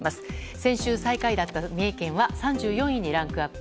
先週、最下位だった三重県は３４位にランクアップ。